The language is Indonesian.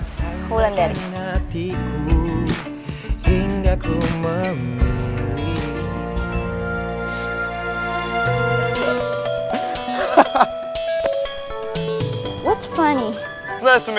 senang bertemu denganmu tapi aku ga paham